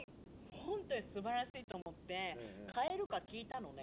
本当にすばらしいと思って買えるか聞いたのね。